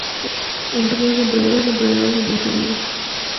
En general son pequeños emprendedores entre familiares y amigos.